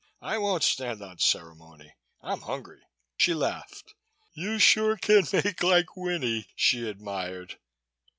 "I won't stand on ceremony. I'm hungry." She laughed. "You sure can make like Winnie," she admired.